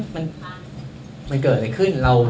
เฮ้ยมันเกิดอะไรขึ้น